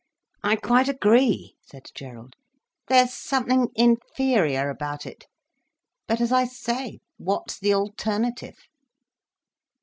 "I quite agree," said Gerald. "There's something inferior about it. But as I say, what's the alternative."